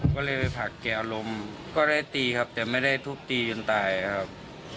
ก็เลยไปผลักแก่อารมณ์ก็ได้ตีครับแต่ไม่ได้ทุบตีจนตายครับ